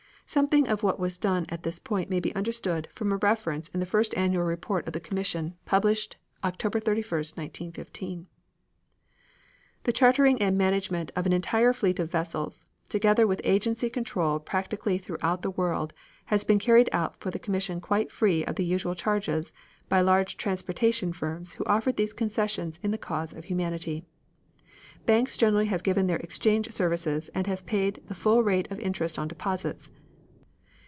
Something of what was done at this point may be understood from a reference in the first annual report of the commission published October 31, 1915: The chartering and management of an entire fleet of vessels, together with agency control practically throughout the world, has been carried out for the commission quite free of the usual charges by large transportation firms who offered these concessions in the cause of humanity. Banks generally have given their exchange services and have paid the full rate of interest on deposits.